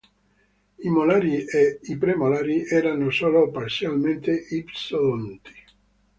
I molari e i premolari erano solo parzialmente ipsodonti.